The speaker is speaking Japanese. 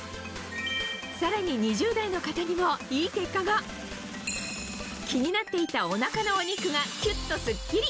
さらに２０代の方にもいい結果が気になっていたお腹のお肉がキュっとスッキリ！